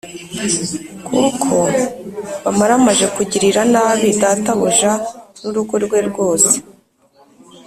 kuko bamaramaje kugirira nabi databuja n’urugo rwe rwose.